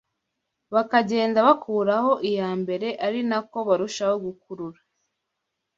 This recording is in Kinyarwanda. bakagenda bakuraho iya mbere ari nako barushaho gukurura